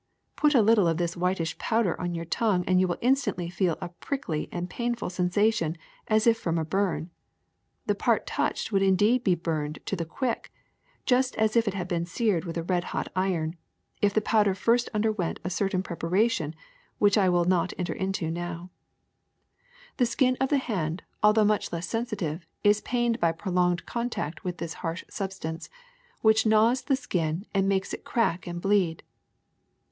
Put a little of this whitish powder on your tongue and you will instantly feel a prickly and painful sensation as if from a burn. The part touched would indeed be burned to the quick, just as if it had been seared with a red hot iron, if the powder first underwent a certain prep aration which I will not enter into now. The skin 94 THE SECRET OF EVERYDAY THINGS of the hand, although much less sensitive, is pained by prolonged contact with this harsh substance, which gnaws the skin and makes it crack and bleed.